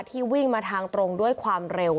ที่วิ่งมาทางตรงด้วยความเร็ว